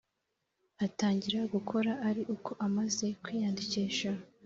Atangira gukora ari uko amaze kwiyandikisha